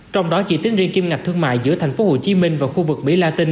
trong đó chỉ tính riêng kim ngạch thương mại giữa tp hcm và khu vực mỹ la tinh